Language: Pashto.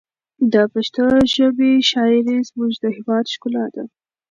د پښتو ژبې شاعري زموږ د هېواد ښکلا ده.